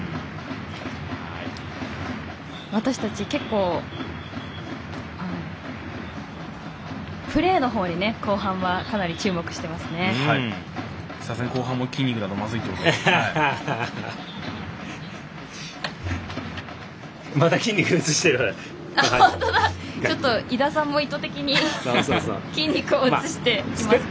私たちプレーのほうに後半はかなり注目してますね。